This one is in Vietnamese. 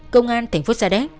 công an thành phố sa đéc